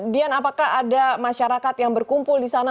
dian apakah ada masyarakat yang berkumpul di sana